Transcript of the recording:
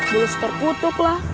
bulus terkutuk lah